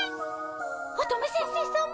乙女先生さま。